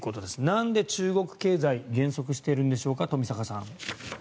なんで中国経済は減速しているんでしょうか富坂さん。